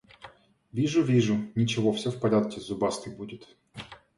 Вижу, вижу... Ничего, все в порядке: зубастый будет.